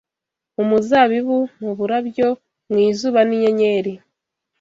mu muzabibu, mu burabyo, mu izuba n’inyenyeri